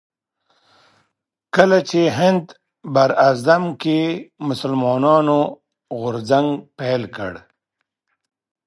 کله چې هند براعظمګي کې مسلمانانو غورځنګ پيل کړ